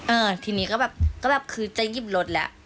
เออทีนี้ก็แบบก็แบบคือจะหยิบรถแล้ว